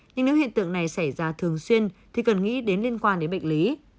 nhưng nếu hiện tượng này xảy ra thường xuyên thì cần nghĩ đến liên quan đến bệnh lý